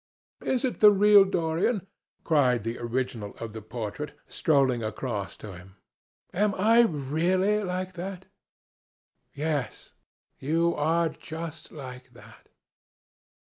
"Is it the real Dorian?" cried the original of the portrait, strolling across to him. "Am I really like that?" "Yes; you are just like that."